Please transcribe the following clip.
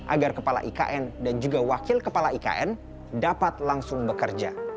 agar kepala ikn dan juga wakil kepala ikn dapat langsung bekerja